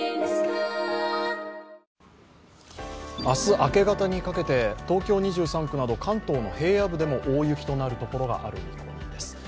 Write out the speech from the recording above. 明日、明け方にかけて東京２３区など関東の平野部でも大雪となるところがある見込みです。